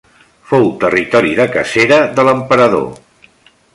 Fou territori de cacera de l'emperador.